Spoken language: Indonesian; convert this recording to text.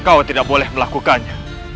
kau tidak boleh melakukannya